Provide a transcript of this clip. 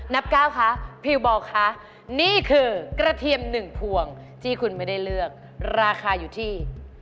เก้าคะพิวบอลคะนี่คือกระเทียม๑พวงที่คุณไม่ได้เลือกราคาอยู่ที่